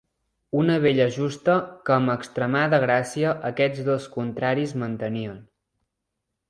Una bella justa, que amb extremada gràcia aquests dos contraris mantenien.